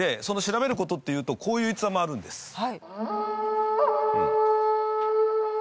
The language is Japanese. その調べる事っていうとこういう逸話もあるんです。